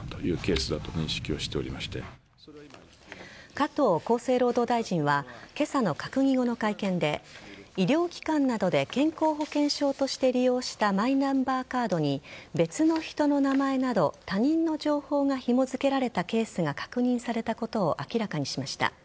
加藤厚生労働大臣は今朝の閣議後の会見で医療機関などで健康保険証として利用したマイナンバーカードに別の人の名前など他人の情報がひもづけられたケースが確認されたことを明らかにしました。